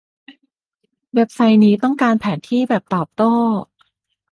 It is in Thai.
เว็บไซต์นี้ต้องการแผนที่แบบตอบโต้